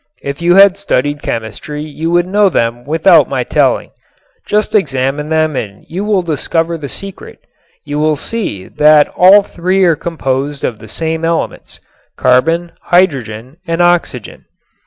If you had studied chemistry you would know them without my telling. Just examine them and you will discover the secret. You will see that all three are composed of the same elements, carbon, hydrogen, and oxygen.